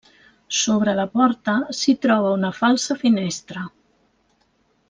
Sobre la porta s'hi troba una falsa finestra.